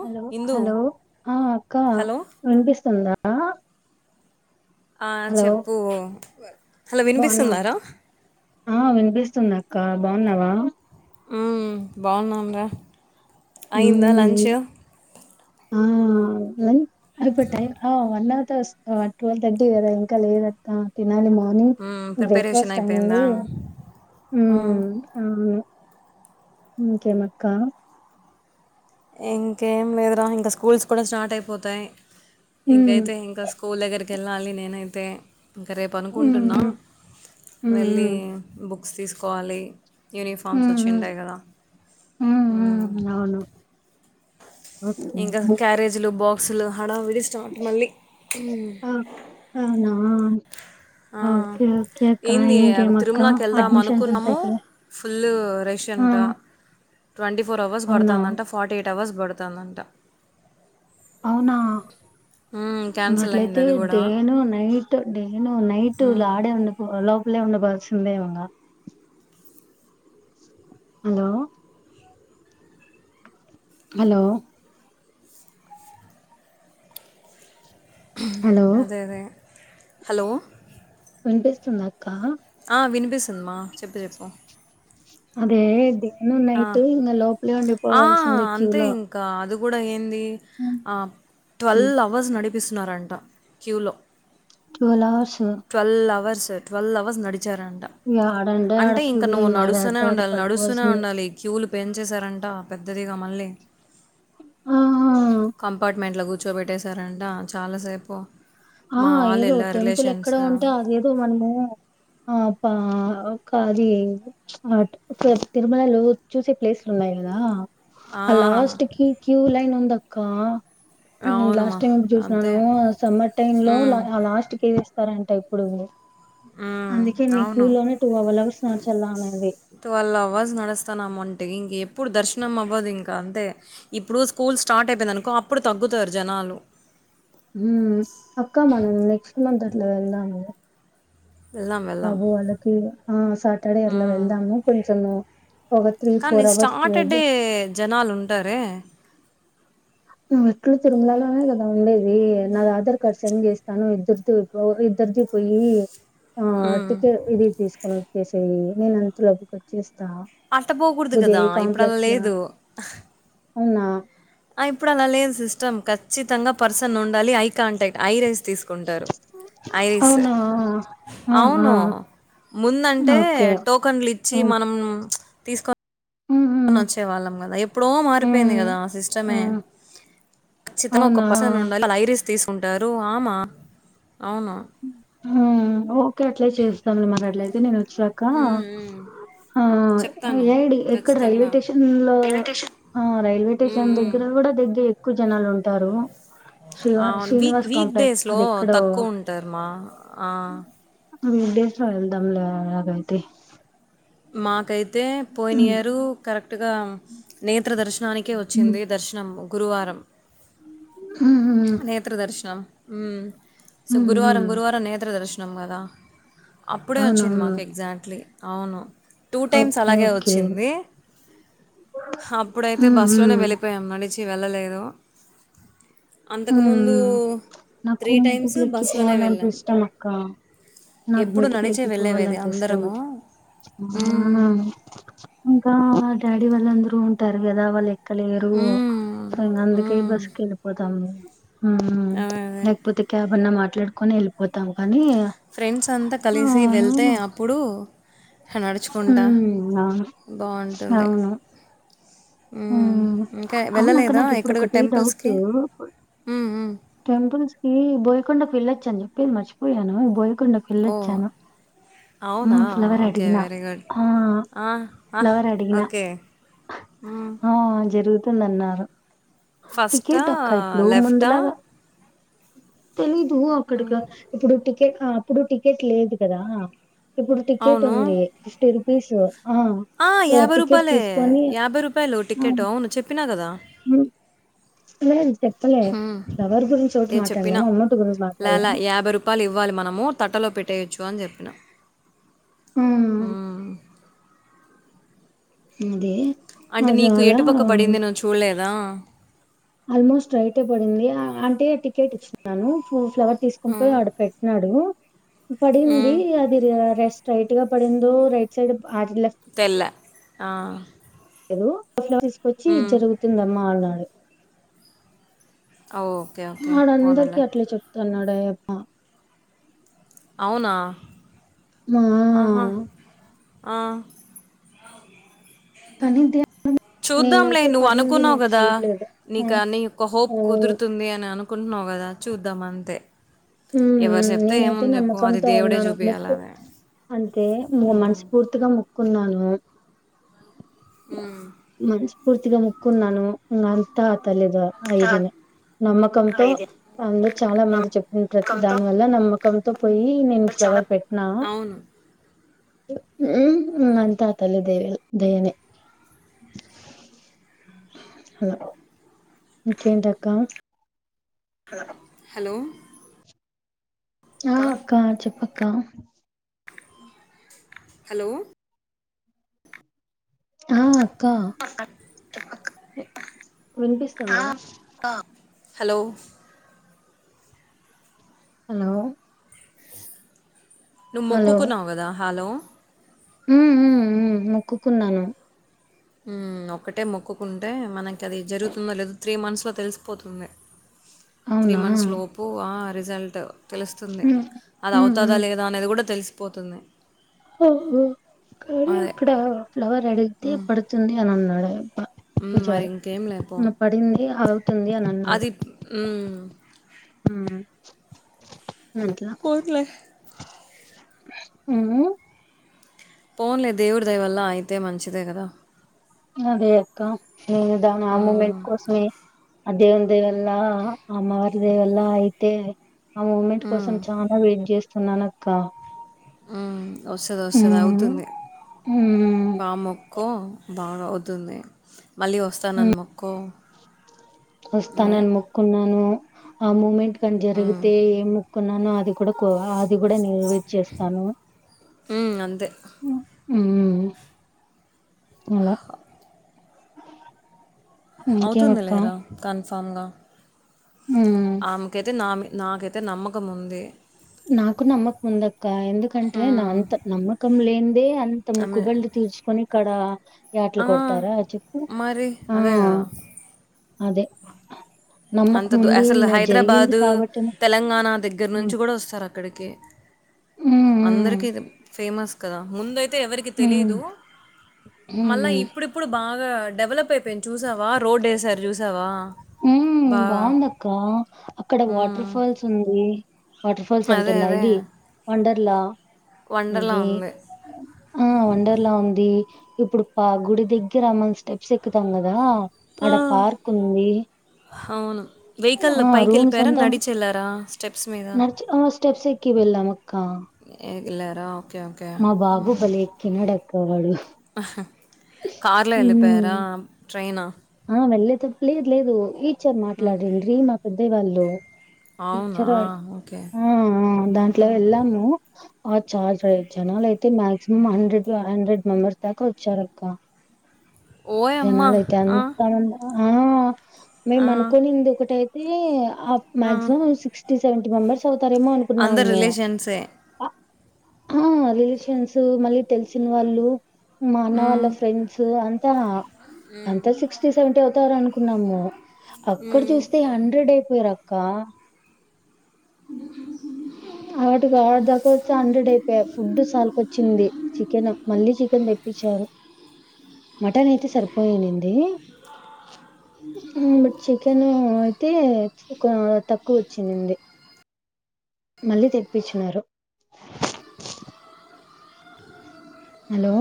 Hello hello ఆ అక్క hello వినిపిస్తుందా ఆ ఆ చెప్పు హలో బాగున్నా వినిపిస్తుందారా ఆ వినిపిస్తుంది అక్క బాగున్నావా ఉమ్ బాగున్నాంరా అయిందా లంచ ఉమ్, ఆ ఏ అయిపట్టే ఆ వ ట్వల్ తగటీ కదా ఇంకా లేద తి మార్నింగ్ ప్రిపరేషన్ బ్రేక్ఫాస్ట్ అయింది అయిపోయిందా మ్మ్. కేమక్కా ఇంకేం లేదురా ఇంకా స్కూల్స్ కూడా స్టార్ట్ అయిపోతాయి ఉమ్, ఇంకైతే ఇంకా స్కూల్ దగ్గరికి కెళ్ళాలి నేనైతే ఇంక రేపు ఉమ్, అనుకుంటున్నా ఉమ్, వెళ్ళి ఉమ్, బుక్ బస్ తీసుకోవాలి యూనిఫార్మ్స్ ఉమ్, వచ్చి ఉమ్, ఉంటాయి కదా ఉమ్, ఉమ్, అవును ఓకే ఇంకా క్యారేజీలు బాక్సులు హడావిడి స్టార్ట్ మళ్ళీ అవునా? ఆ ఓకే ఓకే అక్క ఏంది ఇంకేమక్క తిరుమలకి వెళ్దాం అడ్మిషన్స్ అంతా అనుకున్నాము అయిపోయా ఫుల్ ఆ రెషెంటా ట్వంటీ ఫోర్వస్ అవునా పడుతుందంట ఫార్టీ ఎట్ టవర్స్ బడుతుందంట అవునా క్యాన్సిల్ అయింది ఇకట్లయితే అది కూడా డేను నైట్ డేను నైట్ ఉమ్, లాడే ఉం హలో హలో హలో అదే అదే హలో వినిపిస్తుందాక్క వినిపిస్సుంది మా చెప్పు చెప్పు అదే ఇది నువ్ ఆ, నైటు ఇంగ లోపలే ఉండిపోవాల్సిందే క్యూ లో వూడా ఏంది ఆ ట్వెల్వ్ అవర్స్ నడి చూపిస్సున్నారంట క్యూలో టువెలార్స్ ట్వల్వ్ అవర్ సే ట్వల్వ అవర్స్ నడి ఇగ ఆడంటే ఆడ అంటే క్యూ ఇంక లో నువు ఇంగ నడుస్తునే ఆడంటే ఆడ పడిపోవాల్సిందే నడుస్తూనే క్యూ లు పెంచేశారంట పెద్దదిగా మళ్ళీ ఆ కంపార్ట్ మెంట్ల కు ర్చోపెట్టేశారంట చాలాసేపు ఆ ఏదో టెంపుల్ ఎక్కడ ఉండ ఏదో మనముప్ప ఆ ఒక అది ఆ ఒక తిరుమలలో చూసే ప్లేసులు ఉన్నాయి కదా ఆ! లాస్ట్ కి క్యూ లైన్ ఉ తకా ను అవునుమా. లాస్ట్ టైం ఎప్పుడు చూసిన అదే. సమ్మర్ న్ లో హ్మ్. లాస్ట్ తీదిస్తారంట ఇప్పుడుంది హ్మ్. అందుకే మీ క్యూ అవును. లోనే టూ అవర్లవర్స్ నడు చల్లా అనేది ఇప్పుడు దర్శనం అవ్వదు ఇంకా అంతే ఇప్పుడు స్కూల్ స్టార్ట్ అయిపోయిందనుకో అప్పుడు తగ్గుతారు జనాలు హ అక్కమ్మా న నెక్స్ట్ మంత్ ట్ల వెళ్ళ అ వెళ్దాం. వెళ్దాం. అబు వాళ్ళకి ఆ సాటర్డే అలా హ్మ్. వెళ్దాము కొంచము కానీ స్టార్టడే జనాలు ఉంటారే నువ్వు ఏట్లో తిరుమలలోనే కదా ఉండేది అది నా ఆధార్ కార్డ్ సెండ్ చేస్తాను ఇద్దరిది ఇద్దరిది పోయి హ్మ్. ఆటికె ఇది తీసుకుని సెయ్యి నేను అంతలో అక్కడికి వచ్చేస్త అట్ట పోకూడదు కదా ఇప్పుడ అలా లో లేదు అవునా ఆ ఇప్పుడు అలా లేదు సిస్టమ్ ఖచ్చిత తంగా పర్సన్ ఉండాలి ఐ కాంటాక్ట్ ఐరీస్ తీసుకుంటారు ఐరీస్ అవునా ఆహా అవును ముందంటే ఓకే టోకన్లు ఇచ్చి ఉమ్, మనం తీసుకో ఉమ్, ఉమ్, వచ్చే వాళ్ళం కదా ఎప్పుడో మారిపోయింది ఉమ్, కదా ఆ సిస్టమే ఉమ్, ఖచ్చితంగా ఒక అవునా పర్సన్ ఉండాలి ై తీసుకుంటారు ఆమా అవునా ఓకే అట్లే చేస్తాం మరి అట్లయితే నేను వచ్చాక ఉమ్, ఉమ్. ఆ చెప్తాను ఏడి ఎక్కడ రైల్వే ఖచ్చితంగా స్టేషన్ లో ఆ రైల్వే ఉమ్, స్టేషన్ ఉమ్. దగ్గర కూడా దగ్గర ఎక్కువ జనాలు ఉంటారు శ్ర అవును వీక్ శ్రీనివాస్ వీక్ కాంప్లెక్స్ డేస్లో అది ఎక్కడో తక్కువ ఉంటారు మా ఆ డేస్ లో వెళ్దాం లే అలాగా అయితే మా కైతే అ పోయినా యియర్ కరెక్ట్ టగ నేత్ర దర్శ దనికిే ఉమ్ వచ్చింది దర్శనము గురువారంారం ఉమ్ ఉమ్ నేత్రదర్శనం అ సో ఉమ్ గురువారం ఉమ్. గురువారం నేత్ర దర్శనం మ్ంగదా అప్పుడే వచ్చింది అవునవును మాకు ఎగ్జాక్ట్లీ అవును టూ టైమ్స్ ఓకే అలాగే ఓకే వచ్చింది అప్పుడైతే ఉమ్ బస్ లోనే ఉమ్ వెళ్ళిపోయాం నడిచి వచ్చి వెళ్ళలేదు ఉమ్ అంతకుముందు ఉమ్ నాకు త్రీ టైమ్స్ మెటికలు బస్లోనే ఎక్కిపోవాలంటే వెళ్ళాం ఇష్టం అక్క నాకు ఎప్పుడు మెటికలు నడిచే వెళ్ళేవిేది ఎక్కిపోవాలంటే ఇష్టం అందరము ఆ మ్మ్. ఇంకా డాడీ వాళ్ళ అందరూ ఉంటారు కదా వాళ్ళ కలి ఏరు మ్మ్. సో అందుకే మ్మ్. బస్కి వెళ్ళపోదు అవు హ అదే అదే లేక్పోతే క్యాబ్ అన్న మా మాట్లాడుకొని వెళ్ళిపోతాం కానీ ఫ్రెండ్స్ అంతా కలిసి వెళ్తే అప్పుడు నడుచుకుంటా ఉమ్ ఆ అవును ఉమ్ హ్మ్ ఇంకా అవును అక్క వెళ్ళలేదా నాకు ఇప్పుడు ఎక్కడా ఒకటి డౌట్ టెంపుల్స్కి టెంపుల్స్ కి బోయకొండకు వెళ్ళొచ్చ అని చెప్పేది మర్చిపోయాను బోయ కుండా ఓ పెళ్ళొచ్చాను అవునా ఫ్లవర్ ఓకే అడిగిన వెరీ గుడ్ ఫ్లవర్ అడిగిన ఓకే మ్మ్. జరుగు ందన్నారు ఫస్టా టికెట్ అక్క ఇప్పుడు లెఫ్టా ముందులాగా తెలీదు ్ అక్కడికి ఇప్పుడు ెట్ అప్పుడు టికెట్ లేదు కదా ఇప్పుడు టికెట్ అవును ఉంది ఫిఫ్టీ రూ పీసు ఆ యాభై రూపాయలే యాభై రూపాయలు ఆ టికెట్ హ్మ్. అవును చెప్పినా కదా మ చెప్పలే ఫ్లవర్ గురించి ఒకటి హే చెప్పిన మాట్లాడినాం అమౌంట్ గురించి ల మాట్లాడలే లా యాబై రూపాయలు ఇవ్వాలి మనము తట్టలో పెట్ట ట్టేయచ్చు అని చెప్పిన ఆ అదే అంటే అది నీకు అలా ఎటుపక్క పడింది నువ్వు చూడలే వల ఆల్మోస్ట్ రైటే పడింది అంటే టికెట్ ఇచ్చినాను ఫ ఫ్లవర్ తీసుకుని పోయి హ్మ్. ఆడు పెట్టినాడు పడింది హ్మ్. అది రెస్ట్ స్ట్రైట్ గా పడిందో రైట్ సైడ్ అట్ల తెల్ల. ఆ ఏద తీసుకొచ్చి హ్మ్. జరుగుతుందమ్మా వాళ్ళ ఆ ఓకే ఓకే పోనీలే ప్తాన్నాడే అమ్మ అవునా ఆహా ఆ కానీ తే చూద్దాంలే నువ్వు అనుకున్నావు కదా చూడలేదు నీకా నీ యొక్క హోప్ కుదురుతుంది అని అనుకు కుంటున్నావు కదా చూద్దాం అంతే ఉ ఎవరు చెప్తే నేనైతే ఏముంది జెప్పు అది నమ్మకంతో దేవుడే ఉన్నాను ముక్కు చూపియాలదే. అంటే హ్మ్. మనస్ఫూర్తిగా ముక్కు కున్నాను హ్మ్ పూర్తిగా ముక్కున్నాను ఇంగ అంతా తల్లిదు ఐదిన నమ్మకంతో అందరు చాలా మంది చెప్ ప్రతి దాని వల్ల నమ్మకంతో పోయి నేను ఫలవర్ పెట్టినా అవును. ఉ అంతా తల్లి దేవ దయనే హలో ఇంకేంటక్క హలో ఆ అక్క చెప్ప కా హలో ఆ అక్కా తప్పక్క వినిపిస్తుందా హలో హలో నువ ముక్కకు నావుదా హలో హ్మ్ హ్మ్ మొక్కుకున్నాను హ్మ్ ఒక్కటే మొక్కుకుంటే మనకి అది జరుగుతుందో లేదా త్రీ మంత్స్ ఇట్లో తెలిసిపోతుంది త్రీ అవునా మంత్స్ లోపు రిజల్ట్ తెలుస్తుంది ఉమ్ అది ఉమ్ అవుతదా ఉమ్ లేదా అనేది కూడా తెలుసు పోతుంది ఓహో కానీ అక్కడ ఫ్లవర్ అడిగితే హ్మ్. పడుతుంది అన్నాడు. అబ్బ హ్మ్. మరి పూజారి ఇంకేంలే పో. ఉ పడింది అ అది ఉ మ్ అట్లా పోనీలే. ఊ పోన్లే దేవుడి దయ వల్ల అయితే మంచిదే కదా అదే అక్క నేను దాని ఆ మూమెంట్ హ్మ్. కోసమే అ దేవుని దైవం వల్ల అమ్మవారి దేవల్లా అయితే ఆ మూమెంట్ హ్మ్. కోసం చాల వెయిట్ చేస్త ననక్క హ్మ్ వస్తది వస్తది అవుతుంది మ్ బాముక్కు ఎకో బాగా అవుతుంది మళ్ళీ ఉ వస్తానని మొక్కో అదే వస్తానని మొక్కున్నాను ఆ మూమెంట్ క్కని ఉమ్. జరిగితే ఏ ముక్ కొన్నాను అది కూడా అది కూడా నువ్వే చేస్తాను ఉ అంతే ఊ చలా అవుతుంది లేరా కన్ఫ్ ఫామ్గా హ్మ్ ఆమేకైతే నామే నాకైతే నమ్మకం ఉంది నాకు నమ్మకం ఉందక్క ఎందుకంటే నా ఉమ్, అంత నమ్మకం లేని ఇదే అంత ఆమె ముక్కుబల్ తీర్చుకొని క్కడ యాట్లు ఆ, కొడతారా చెప్పు మరి ఆ అదే కదా అదే నమ్మకం అంత ఉండి అసలు నా జరిగింది హైదరాబాదు కాబట్టినే తెలంగాణ దగ్గ దగ్గర నుంచి హ్మ్ కూడా వస్తారు అక్కడికి హ్మ్ అందరికి ఫేమస్ దా ముందయి ఎవరికి తెలిదు హ్మ్ మళ్ళా హ్మ్ ఇప్పుడిప్పుడు బాగా డెవలప్ అయిపోయిను చూసావా రోడ్ ఏ సార్ చూసావా ఉ బాగా. బాగుంద అక్క అక్కడ వాటర్ హ్మ్. ఫాల్స్ ఉంది వాటర్ ఫాల్స్ అంటు అదే. ఉన్నాయి అదే. ఇది వండర్ అలా వండర్‌లా అది ఉంది. ఆ వండర్లా ఉంది ఇప్పుడు పా గుడి దగ్గర అమని స్టెప్స్ ఎక్కుతాం కదా ఆ! అడ పార్క్ ఉంది అవును. వెహికల్ ఆ రూమ్స్ పైకెళ్ళిపోయారా? అంతా నడిచెళ్లారా స్టెప్స్ మీద? నచ స్టెప్స్ ఎకి వెళ్ళ మక్క అగలరా మా బాబు బలేక్కి న డక్ అక్క వాడు ఆహా కార్ లో హ్మ్. వెళ్లిపోయారా టడ్రెయినా ఆ వెళ్ళే తప్ లేదు లేదు ఈ చర్ మాట్లాడిండ్రి మా పెద్దయ్య వాళ్ళు అవునా? [inaudible] ఓకే. ఆ ఆ దాంట్లో హుహు. వెళ్ళాము ఆ చారు చారు జనాలు అయితే maximum hundred two hundred members దాకా వచ్చారు అక్క ఓయమ్మా ఆ మంది ఆ మేము ఆ! అనుకునింది ఒకటై [unintelligible] ఆప్ ఆ! మాక్సిమం సిక్స్టీ సెవంటీ మెంబర్స్ తవుతారేమో అందరు అనుకున్నాము రిలేషన్సే. ఆ రిలేషన్స్ మళ్ళీ తెలిసిన వాళ్ళు మా అన్న వాళ్ళ ఫ్రెండ్స్ అన్ [unintelligible] మ్మ్ తె సెంట అవుతారనుకు వునము అక్కడ హ్మ్. చూస్తే హండ్రెడ్ ఓరక్క హాట్ గా ఆటిదాకా వచ్చి హండ్రెడ్ అయిపోయారు ఫుడ్ సాల కొచ్చింది చికెన్ మళ్ళీ చికెన్ తెప్పిచ్చారు, మటన్ అయితే సరిపోయిన్నింది. మ్ బట్ చికెను తే ఒక తక్కువ వచ్చినింది మళ్ళీ తెప్పిచ్చినారు హలో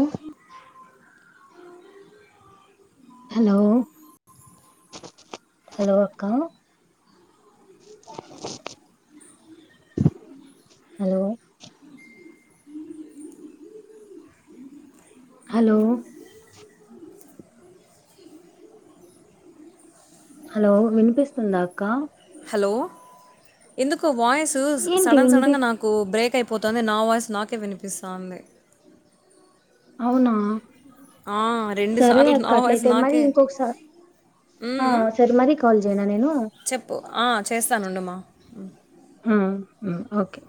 హలో హలో అక్క హలో హలో హలో వినిపిస్తుందా అక్క హలో ఎందుకు వాయిస్ ఏంటి సడన్ వినిపి సడంగా నాకు బ్రేక్ ఐ పోతంది నా వాయిస్ నాకే వినిపిస్తాంది అవునా రెండు సరే సార్లు అక్క నా వాయిస్ అట్లయితే మరి నాకే ఇంకొకసా ఆ మ్మ్. సరే మరి కాల్ చేయనా నేను, చెప్పు ఆ చేస్తానుండు మా మ్మ్ హ్మ్ ఓకే